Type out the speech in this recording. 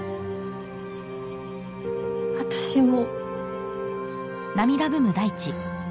私も。